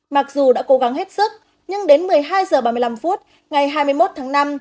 mặc dù đã cố gắng hết sức nhưng đến một mươi hai h ba mươi năm phút ngày hai mươi một tháng năm